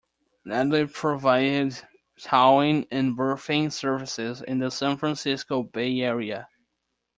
"Nadli" provided towing and berthing services in the San Francisco Bay area.